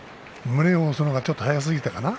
胸を押すのがちょっと早かったかな。